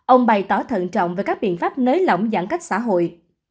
ông bày tỏ thận trọng về các biện pháp nới lỏng giãn cách xã hội